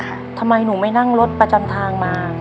คือทำไมหนูไม่นั่งรถไปจามทางมา